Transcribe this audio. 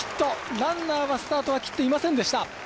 ランナーはスタートは切っていませんでした。